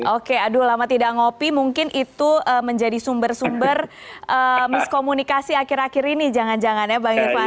oke aduh lama tidak ngopi mungkin itu menjadi sumber sumber miskomunikasi akhir akhir ini jangan jangan ya bang ivan